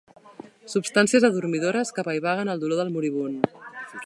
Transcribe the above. Substàncies adormidores que apaivaguen el dolor del moribund.